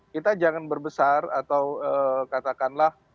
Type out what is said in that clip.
kita jangan berbesar atau katakanlah